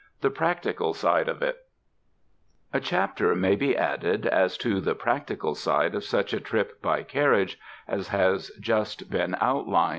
The Pbactical Side of It A chapter may be added as to the practical side of such a trip by carriage as has just been outlined.